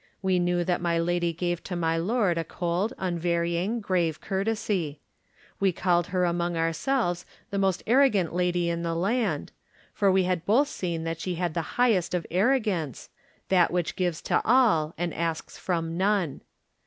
We knew that my lady gave to my lord a cold, unvarying, grave courtesy. We called her among ourselves the most arrogant lady in the land, for we had both seen that she had the highest of arrogance, that which gives to all and asks from none.